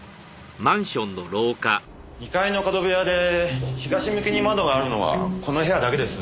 ２階の角部屋で東向きに窓があるのはこの部屋だけです。